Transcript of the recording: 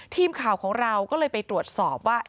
ทีมข่าวของเราก็เลยไปตรวจสอบว่า